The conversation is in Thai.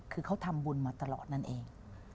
คือเขาทำบุญมาตลอดนั่นเอง